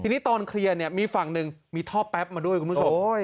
ทีนี้ตอนเคลียร์เนี่ยมีฝั่งหนึ่งมีท่อแป๊บมาด้วยคุณผู้ชม